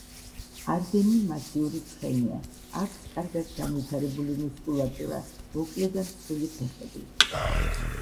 არდენი მასიური ცხენია, აქვს კარგად განვითარებული მუსკულატურა, მოკლე და მსხვილი ფეხები.